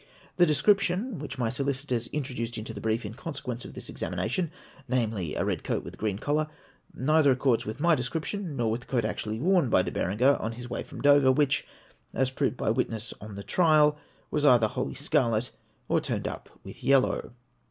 The description which my solicitors introduced into the brief, in consequence of this examination, namely, a red coat with a green collar, neither accords with my description nor with the coat actually worn by De Berenger on his way from Dover, which, as proved by the witnesses on the trial, was either wholly scarlet, or turned up with yellow.